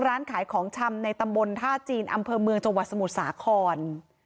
ร้านขายของชำในตำบลท่าจีนอำเภอเมืองจังหวัดสมุทรสาคร